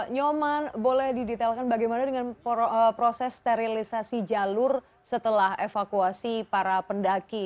nyoman boleh didetailkan bagaimana dengan proses sterilisasi jalur setelah evakuasi para pendaki